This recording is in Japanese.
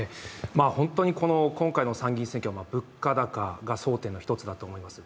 本当に今回の参議院選挙は物価高が争点の一つだと思います。